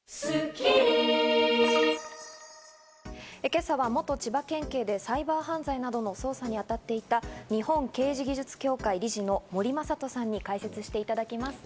今朝は元千葉県警でサイバー犯罪などの捜査に当たっていた日本刑事技術協会理事の森雅人さんに解説していただきます。